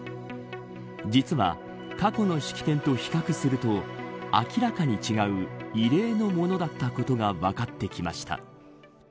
実は、過去の式典と比較すると明らかに違う異例のものだったことが分かってきました。